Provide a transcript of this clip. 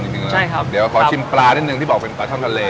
จริงจริงแล้วใช่ครับเดี๋ยวขอชิมปลานิดหนึ่งที่บอกเป็นปลาช่อนทะเล